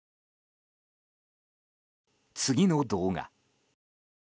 次の動画。